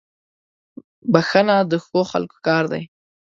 • بښنه د ښو خلکو کار دی.